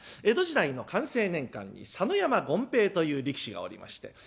江戸時代の寛政年間に佐野山権兵衛という力士がおりまして。